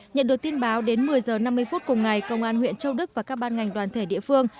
nhận được tin báo đến một mươi h năm mươi phút cùng ngày công an huyện châu đức và các ban ngành đoàn thể địa phương